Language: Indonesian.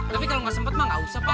tapi kalau gak sempet mah gak usah pak